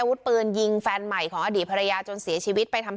วุฒิปืนยิงแฟนใหม่ของอดีตภรรยาจนเสียชีวิตไปทำ